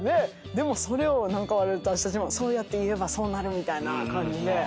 でもそれを私たちもそうやって言えばそうなるみたいな感じで何か。